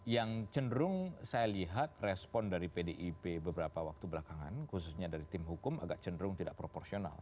yang cenderung saya lihat respon dari pdip beberapa waktu belakangan khususnya dari tim hukum agak cenderung tidak proporsional